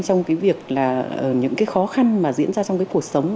trong những khó khăn mà diễn ra trong cuộc sống